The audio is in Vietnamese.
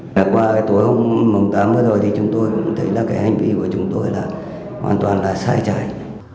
và qua cái tối hôm tám vừa rồi thì chúng tôi cũng thấy là cái hành vi của chúng tôi là hoàn toàn là sai trái